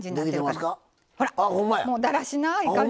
ほらもうだらしない感じ。